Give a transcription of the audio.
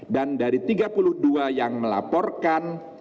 dan dari tiga puluh dua yang melaporkan